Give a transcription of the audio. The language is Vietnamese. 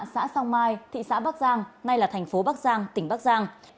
xã song mai thị xã bắc giang nay là thành phố bắc giang tỉnh bắc giang